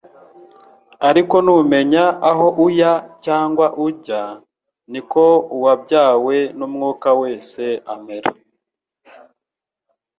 ariko ntumenya aho uya cyangwa aho ujya, niko uwabyawe n'Umwuka wese amera. »